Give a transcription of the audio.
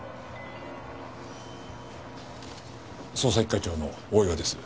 捜査一課長の大岩です。